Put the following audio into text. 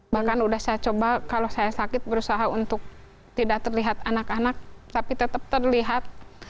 bahkan udah saya coba kalau saya sakit berusaha untuk tidak terlihat anak anak tapi tetap terlihat